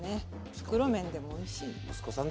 袋麺でもおいしいんです。